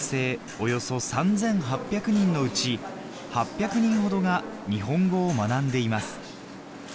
およそ３８００人のうち８００人ほどが日本語を学んでいます